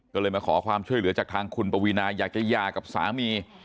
ก็เลยมาขอความช่วยเหลือจากทางคุณปวีนาอยากจะหย่ากับสามี